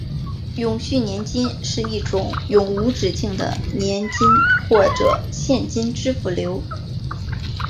永续年金是一种永无止境的年金或者现金支付流。